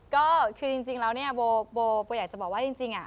ก็คือจริงแล้วเนี่ยโบอยากจะบอกว่าจริง